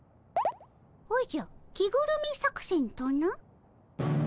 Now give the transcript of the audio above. おじゃ着ぐるみ作戦とな？